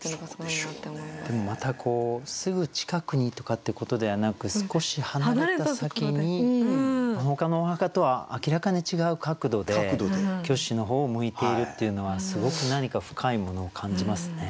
でもまたすぐ近くにとかってことではなく少し離れた先にほかのお墓とは明らかに違う角度で虚子の方を向いているっていうのはすごく何か深いものを感じますね。